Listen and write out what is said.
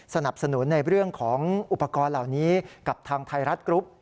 สนับสนุนในเรื่องของอุปกรณ์เหล่านี้กับทางไทยรัฐกรุ๊ป